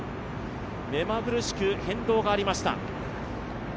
目まぐるしく変動がありました。